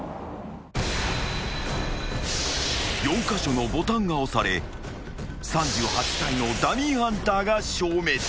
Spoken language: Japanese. ［４カ所のボタンが押され３８体のダミーハンターが消滅］